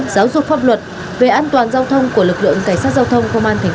giáo dục pháp luật về an toàn giao thông của lực lượng cảnh sát giao thông công an tp hcm